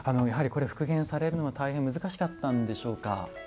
やはりこれ復元されるのは大変難しかったんでしょうか。